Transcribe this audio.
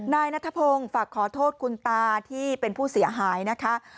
นายนัทพงศ์ฝากขอโทษคุณตาที่เป็นผู้เสียหายนะคะ